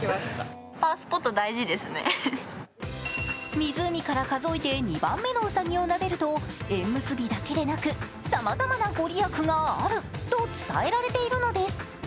湖から数えて２番目のうさぎをなでると縁結びだけでなく、さまざまな御利益があると伝えられているのです。